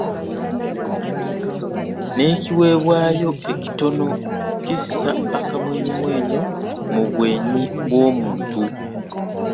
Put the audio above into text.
N'ekiweebwayo ekitono kissa akamwenyumwenyu mu bwenyi bw'omuntu.